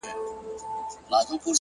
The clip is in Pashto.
حوصله د سختیو ملګرې ده